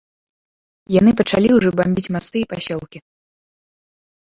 Яны пачалі ўжо бамбіць масты і пасёлкі.